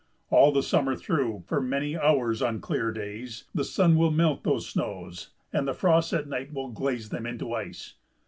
All the summer through, for many hours on clear days, the sun will melt those snows and the frost at night will glaze them into ice.